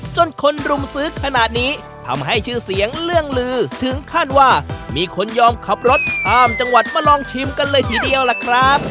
จนคนรุมซื้อขนาดนี้ทำให้ชื่อเสียงเรื่องลือถึงขั้นว่ามีคนยอมขับรถข้ามจังหวัดมาลองชิมกันเลยทีเดียวล่ะครับ